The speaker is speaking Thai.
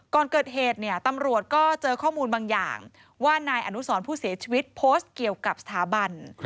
ก่อนเกิดเหตุเนี่ยตำรวจก็เจอข้อมูลบางอย่างว่านายอนุสรผู้เสียชีวิตโพสต์เกี่ยวกับสถาบัน